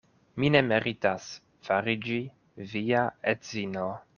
Mi ne meritas fariĝi via edzino.